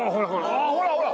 あっほらほら！